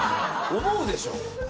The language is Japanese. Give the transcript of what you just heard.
思うでしょ？